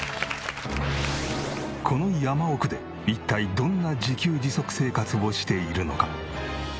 この山奥で一体どんな自給自足生活をしているのか？